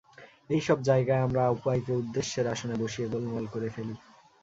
এইসব জায়গায় আমরা উপায়কে উদ্দেশ্যের আসনে বসিয়ে গোলমাল করে ফেলি।